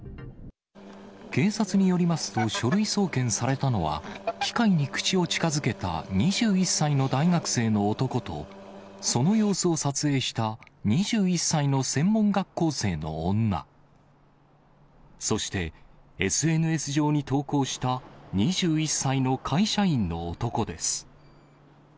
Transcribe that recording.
警察によりますと、書類送検されたのは、機械に口を近づけた２１歳の大学生の男と、その様子を撮影した２１歳の専門学校生の女、そして、ＳＮＳ上に投稿した２１歳の会社員の男です。